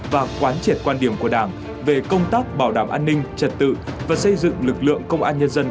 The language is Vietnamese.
và quán triệt quan điểm của đảng về công tác bảo đảm an ninh trật tự và xây dựng lực lượng công an nhân dân